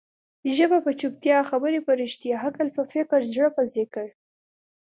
ژبه په چوپتيا، خبري په رښتیا، عقل په فکر، زړه په ذکر.